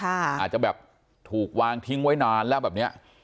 อาจที่บอกที่ถูกทิ้งไว้นานแล้วแบบนี้